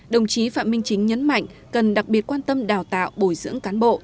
đồng chí phạm minh chính nhấn mạnh cần đặc biệt quan tâm đào tạo bồi dưỡng cán bộ